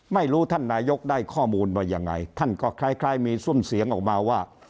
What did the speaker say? ไม่รู้ท่านนายกได้ข้อมูลมายังไงท่านก็คล้ายมีซุ่มเสียงออกมาว่า